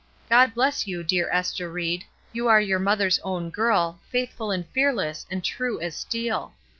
God bless you, dear Ester Ried, you are your mother's own girl, faithful and fearless, and true as steel.